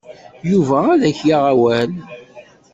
Yuba ad ak-yaɣ awal.